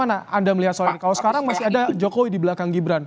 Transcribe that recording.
anda melihat soalnya kalau sekarang masih ada jokowi di belakang gibran